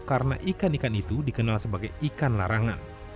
karena ikan ikan itu dikenal sebagai ikan larangan